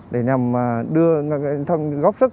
để nhằm đưa góp sức